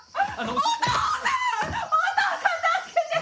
お父さん！